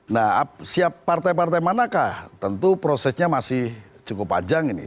nah siap partai partai manakah tentu prosesnya masih cukup panjang ini